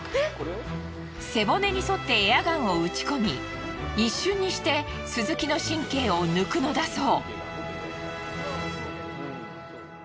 背骨に沿ってエアガンを打ち込み一瞬にしてスズキの神経を抜くのだそう。